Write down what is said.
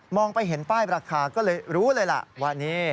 มองไปเห็นป้ายประคาก็เลยรู้เลยว่า